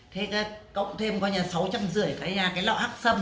thế cộng thêm sáu trăm rưỡi cái lọ hắc xâm